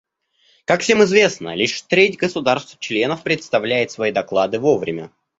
Как всем известно, лишь треть государств-членов представляет свои доклады вовремя.